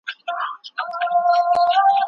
د مکتب په کتابونو لمبې تاو شوې